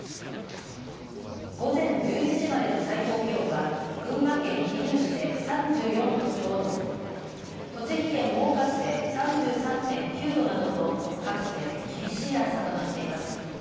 午前１１時までの最高気温は群馬県桐生市で３４度ちょうど、栃木県真岡市で３３．９度などと各地で厳しい暑さとなっています。